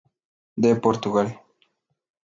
De Portugal.